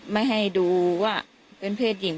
ไม่ให้ดูว่าเป็นเพศหญิง